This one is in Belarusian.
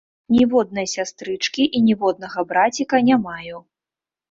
Ніводнай сястрычкі і ніводнага браціка не маю.